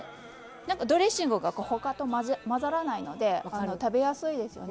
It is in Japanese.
ドレッシングが他と混ざらないので食べやすいですよね。